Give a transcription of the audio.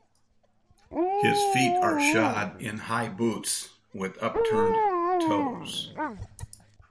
His feet are shod in high boots with upturned toes.